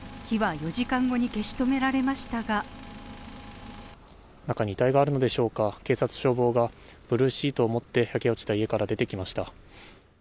火は４時間後に消し止められましたが中に遺体があるのでしょうか警察・消防がブルーシートを持って焼け落ちた家から出てきました。